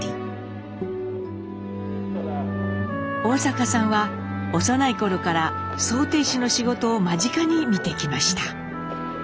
大阪さんは幼い頃から装てい師の仕事を間近に見てきました。